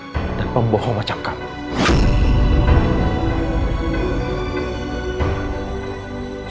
dan pembohong macam kamu